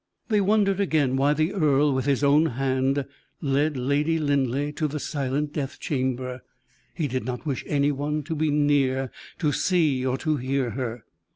They wondered again why the earl, with his own hand led Lady Linleigh to the silent death chamber. He did not wish any one to be near, to see or to hear her.